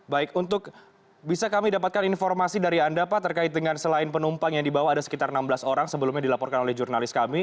baik untuk bisa kami dapatkan informasi dari anda pak terkait dengan selain penumpang yang dibawa ada sekitar enam belas orang sebelumnya dilaporkan oleh jurnalis kami